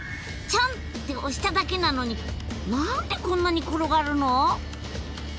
ちょんって押しただけなのに何でこんなに転がるの？